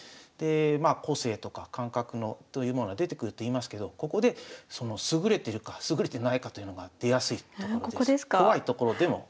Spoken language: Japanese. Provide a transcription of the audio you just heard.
まあ個性とか感覚というものが出てくると言いますけどここでその優れてるか優れてないかというのが出やすいところです。